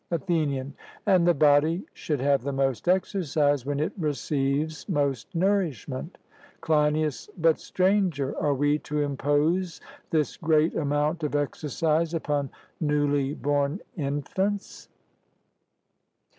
ATHENIAN: And the body should have the most exercise when it receives most nourishment? CLEINIAS: But, Stranger, are we to impose this great amount of exercise upon newly born infants?